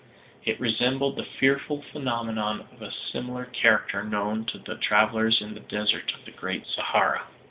It resembled the fearful phenomenon of a similar character known to the travelers in the desert of the great Sahara.